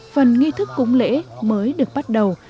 phần nghi thức cúng lễ mới được bắt đầu